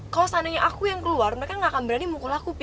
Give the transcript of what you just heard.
kalau seandainya aku yang keluar mereka gak akan berani memukul aku